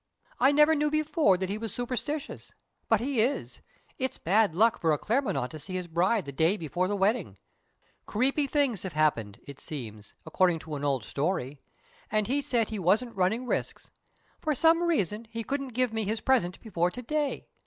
I never knew before that he was superstitious. But he is. It's bad luck for a Claremanagh to see his bride the day before the wedding. Creepy things have happened, it seems, according to an old story! So he said he wasn't running risks. For some reason, he couldn't give me his present before to day.